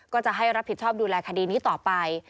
ก็จะให้รับผิดชอบดูแลคดีนี้ต่อไป